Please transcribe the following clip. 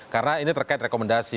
karena ini terkait rekomendasi